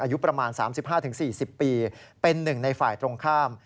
อายุประมาณ๓๕๔๐ปีเป็นหนึ่งในฝ่ายตรงข้าม